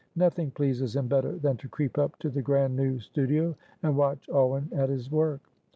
Nothing pleases him better than to creep up to the grand new studio and watch Alwyn at his work.